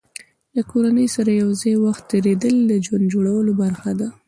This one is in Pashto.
د کورنۍ سره یو ځای وخت تېرول د ژوند جوړولو برخه ده.